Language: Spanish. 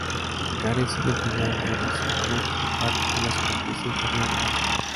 Carece del final del hocico y parte de la superficie inferior del cráneo.